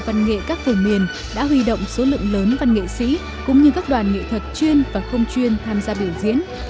văn nghệ các vùng miền đã huy động số lượng lớn văn nghệ sĩ cũng như các đoàn nghệ thuật chuyên và không chuyên tham gia biểu diễn